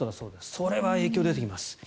それは影響が出てきます。